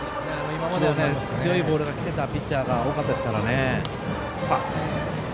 今までは強いボールがきてたピッチャーが多かったですからね。